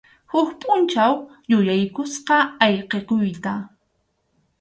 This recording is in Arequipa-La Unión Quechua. Huk pʼunchaw yuyaykusqa ayqikuyta.